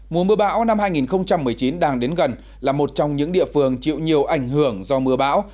mùa mưa bão năm hai nghìn một mươi chín đang đến gần là một trong những địa phương chịu nhiều ảnh hưởng do mưa bão